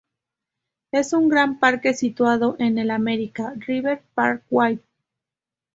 Es un gran parque situado en el American River Parkway.